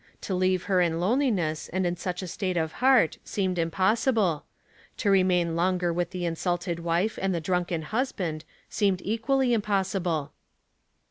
To leave her in loneliness, and in such a state of heart, seemed impossible ; to remain longer with the in sulted wife and the drunken husband, seemed equally impossible.